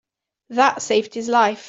That saved his life.